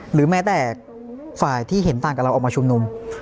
หรือแม้แต่ฝ่ายที่เห็นต่างกับเราออกมาชุมนุม